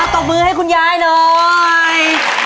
ตบมือให้คุณยายหน่อย